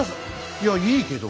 いやいいけど。